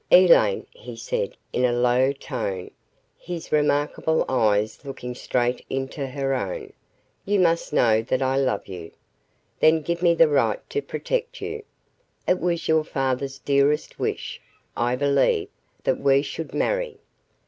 "Elaine," he said in a low tone, his remarkable eyes looking straight into her own, "you must know that I love you. Then give me the right to protect you. It was your father's dearest wish, I believe, that we should marry.